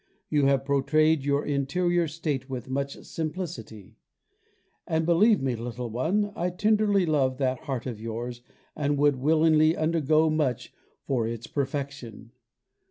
You have portrayed your interior state with much simplicity, and believe me, little one, I tenderly love that heart of yours and would willingly undergo much for its perfection.